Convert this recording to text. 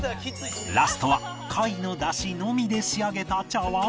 ラストは貝の出汁のみで仕上げた茶碗蒸し